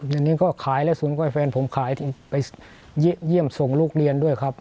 นี่นี่ก็ขายแล้วสวนกล้วยแฟนผมขายไปเยี่ยมส่งลูกเรียนด้วยครับ